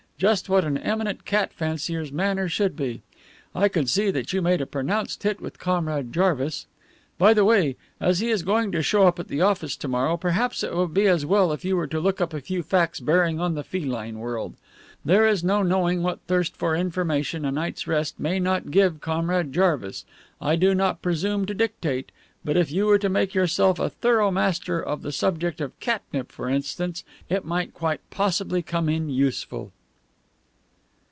Just what an eminent cat fancier's manner should be. I could see that you made a pronounced hit with Comrade Jarvis. By the way, as he is going to show up at the office to morrow, perhaps it would be as well if you were to look up a few facts bearing on the feline world. There is no knowing what thirst for information a night's rest may not give Comrade Jarvis. I do not presume to dictate, but if you were to make yourself a thorough master of the subject of catnip, for instance, it might quite possibly come in useful."